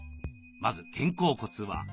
まず肩甲骨は。